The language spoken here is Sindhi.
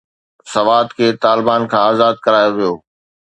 سوات کي طالبان کان آزاد ڪرايو ويو.